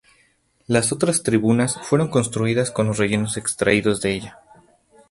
Las otras tribunas fueron construidas con los rellenos extraídos de ella.